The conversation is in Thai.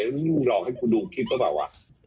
ลองให้กูดูคลิปก็บอกว่า